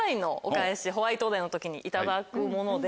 ホワイトデーの時に頂くもので。